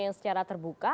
yang secara terbuka